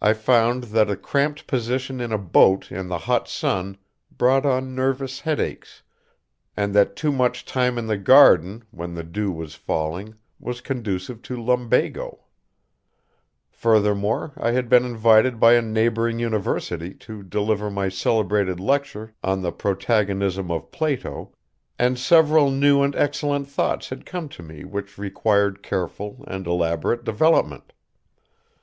I found that a cramped position in a boat in the hot sun brought on nervous headaches, and that too much time in the garden when the dew was falling was conducive to lumbago. Furthermore I had been invited by a neighboring university to deliver my celebrated lecture on the protagonism of Plato, and several new and excellent thoughts had come to me which required careful and elaborate development.